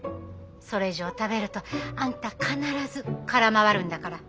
それ以上食べるとあんた必ず空回るんだから。